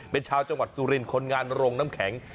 เป็นชาวจังหวัดสุรินทร์คนงานโรงน้ำแข็ง